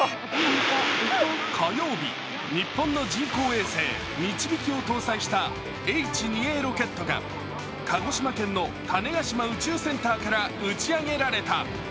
火曜日、日本の人工衛星「みちびき」を搭載したＨ２Ａロケットが鹿児島県の種子島宇宙センターから打ち上げられた。